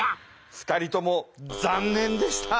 ２人とも残念でした。